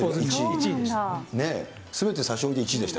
１位でした。